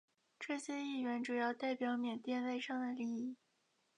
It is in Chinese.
这些议员主要代表缅甸外商的利益。